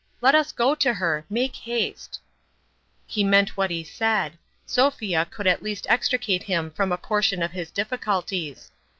Let us go to her ; make haste !" He meant what he said. Sophia could at least extricate him from a portion of his diffi culties.